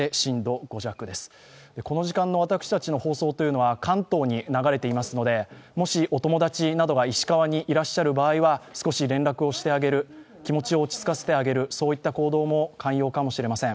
この時間の私たちの放送は関東に流れていますので、もし、お友達などが、石川などにいらっしゃる場合は少し連絡をしてあげる、気持ちを落ち着かせてあげる、行動も肝要かもしれません。